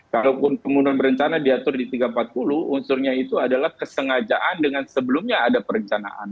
kalaupun pembunuhan berencana diatur di tiga ratus empat puluh unsurnya itu adalah kesengajaan dengan sebelumnya ada perencanaan